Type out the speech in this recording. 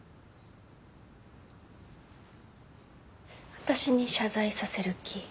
私に謝罪させる気。